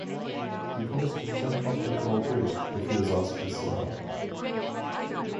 He promised to "jump off O'Connell Bridge" if he was asked to smile.